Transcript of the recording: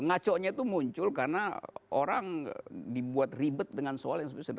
ngaco nya tuh muncul karena orang dibuat ribet dengan soal yang sederhana